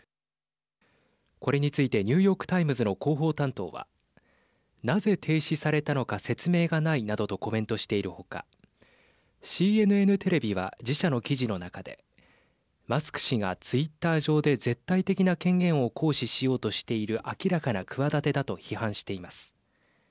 これについてニューヨーク・タイムズの広報担当は、なぜ停止されたのか説明がないなどとコメントしている他ＣＮＮテレビは自社の記事の中でマスク氏がツイッター上で絶対的な権限を行使しようとしている明らかな企てだと批判しています。